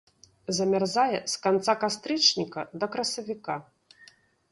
Замярзае з канца кастрычніка да красавіка.